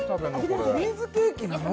これチーズケーキなの？